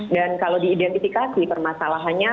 dan kalau diidentifikasi permasalahannya